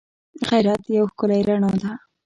غیرت یوه ښکلی رڼا ده